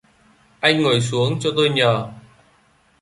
Anh ngồi xuống cho tôi nhờ